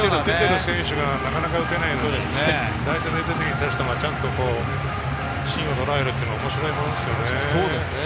出ている選手がなかなか打てないところを代打で出てきた人がちゃんと芯をとらえるのは面白いですね。